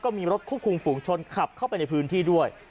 มีรถควบคุมฝูงชนขับเข้าไปในพื้นที่ด้วย